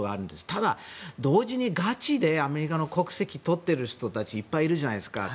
ただ、同時にガチでアメリカの国籍を取っている人がいっぱいいるじゃないですか。